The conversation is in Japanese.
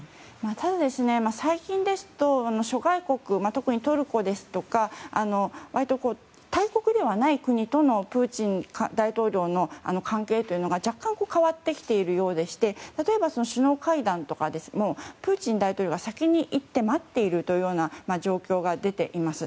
ただ、最近ですと諸外国、特にトルコですとか割と大国ではない国とのプーチン大統領との関係というのが若干、変わってきているようで例えば首脳会談とかでプーチン大統領が先に言って待っているというような状況が出ています。